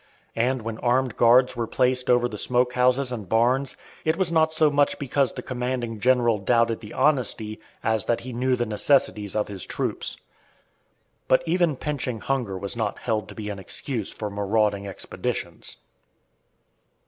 And when armed guards were placed over the smoke houses and barns, it was not so much because the commanding general doubted the honesty as that he knew the necessities of his troops. But even pinching hunger was not held to be an excuse for marauding expeditions.